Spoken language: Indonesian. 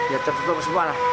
ya tertutup semua lah